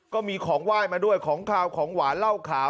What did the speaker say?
ก็มีของไหว้มาด้วยของขาวของหวานเหล้าขาว